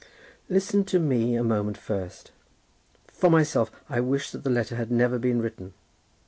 "Listen to me a moment first. For myself, I wish that the letter had never been written.